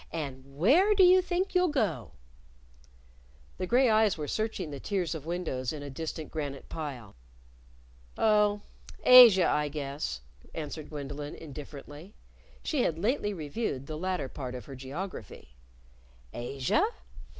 "And where do you think you'll go?" The gray eyes were searching the tiers of windows in a distant granite pile. "Oh, Asia, I guess," answered Gwendolyn, indifferently. (She had lately reviewed the latter part of her geography.) "Asia?